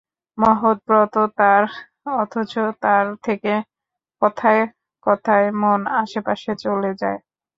মহৎ ব্রত তার, অথচ তার থেকে কথায় কথায় মন আশেপাশে চলে যায়!